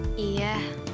kok bisa kerja